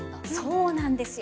そうなんですよ。